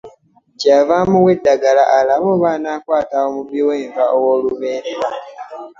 Kye yava amuwa eddagala alabe oba anaakwata omubbi w’enva ow’olubeerera.